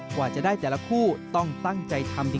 กว่าจะได้แต่ละคู่ต้องตั้งใจทำจริงครับ